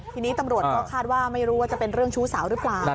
ทีนี้ตำรวจก็คาดว่าไม่รู้ว่าจะเป็นเรื่องชู้สาวหรือเปล่า